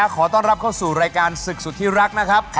ขอต้อนรับเข้าสู่รายการศึกสุดที่รักนะครับ